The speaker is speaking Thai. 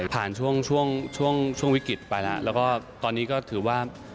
ช่วงช่วงวิกฤตไปแล้วแล้วก็ตอนนี้ก็ถือว่า